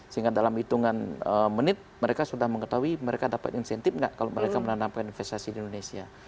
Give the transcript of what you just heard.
sehingga dalam hitungan menit mereka sudah mengetahui mereka dapat insentif nggak kalau mereka menanamkan investasi di indonesia